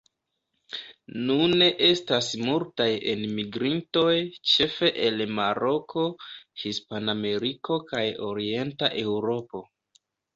Nune estas multaj enmigrintoj ĉefe el Maroko, Hispanameriko kaj Orienta Eŭropo.